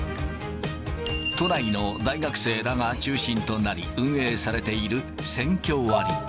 都内の大学生らが中心となり、運営されているセンキョ割。